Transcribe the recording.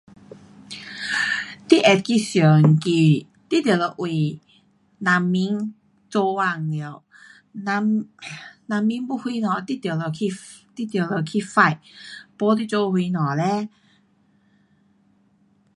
um 你会去选举你就得为人民做工了。人 um 人民要什么你就得去，你就得去 fight，没你做什么嘞？